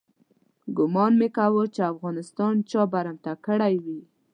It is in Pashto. ګومان مې کاوه چې افغانستان چا برمته کړی وي.